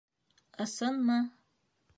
— Ысынмы?